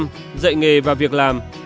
trường năm dạy nghề và việc làm